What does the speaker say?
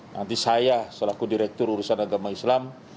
nanti saya selaku direktur urusan agama islam